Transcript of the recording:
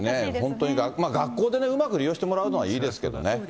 本当に学校で、うまく利用してもらうのはいいですけどね。